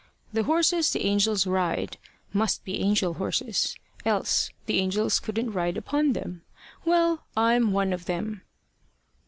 The horses the angels ride, must be angel horses, else the angels couldn't ride upon them. Well, I'm one of them."